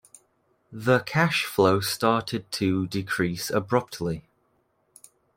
The cash flow started to decrease abruptly.